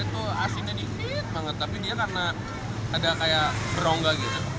itu asinnya dikit banget tapi dia karena ada kayak berongga gitu